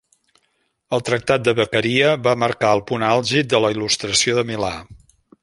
El tractat de Beccaria va marcar el punt àlgid de la Il·lustració de Milà.